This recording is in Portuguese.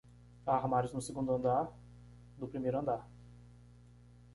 Há armários no segundo andar do primeiro andar.